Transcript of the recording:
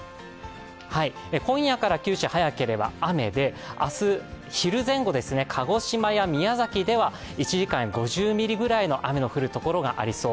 今夜から九州、早ければ雨で、明日、昼前後、鹿児島や宮崎では１時間に５０ミリくらいの雨が降るところがありそう。